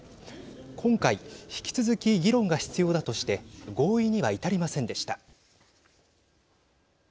今回、引き続き議論が必要だとして合意には至りませんでした。